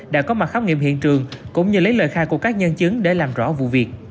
đã có mặt khám nghiệm hiện trường cũng như lấy lời khai của các nhân chứng để làm rõ vụ việc